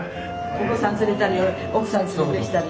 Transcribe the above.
お子さん連れたり奥さん連れてきたり。